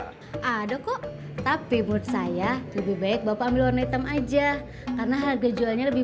ada kok tapi buat saya lebih baik bapak ambil warna hitam aja karena harga jualnya lebih